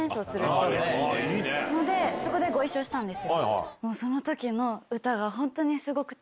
そこでご一緒したんです。